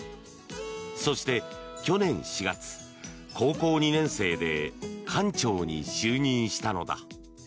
そして去年４月、高校２年生で館長に就任したのだ。